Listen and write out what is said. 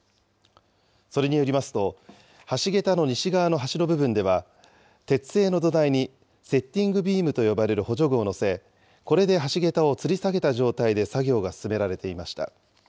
それによりますと、橋桁の西側の端の部分では、鉄製の土台にセッティングビームと呼ばれる補助具を載せ、これで橋桁をつり下げた状態で作業が進められていました。